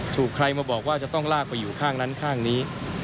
ถูกใครมาบอกว่าจะต้องลากไปอยู่ข้างนั้นข้างนี้